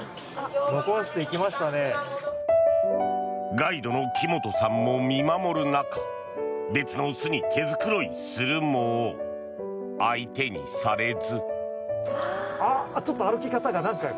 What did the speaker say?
ガイドの木本さんも見守る中別の雄に毛繕いするも相手にされず。